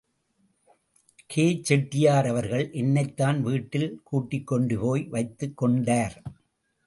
கே.செட்டியார் அவர்கள் என்னைத் தன் வீட்டில் கூட்டிக் கொண்டு போய் வைத்துக் கொண்டார்.